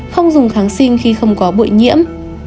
không dùng kháng sinh khi không có bội nhiễm